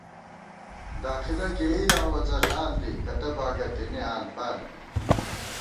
داخِلہ کېئی داوُوَہ څݪال دی ، کتہ باگہ تېنے آلپال بی